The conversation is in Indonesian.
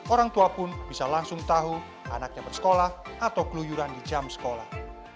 orang tua pun bisa langsung tahu anaknya bersekolah atau keluyuran di jam sekolah